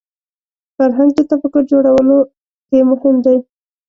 فرهنګ د تفکر جوړولو کې مهم دی